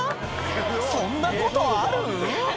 そんなことある？